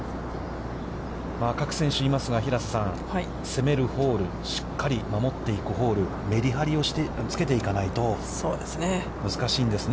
各選手、いますが、平瀬さん、攻めるホール、しっかり守っていくホール、めり張りをつけていかないと難しいんですね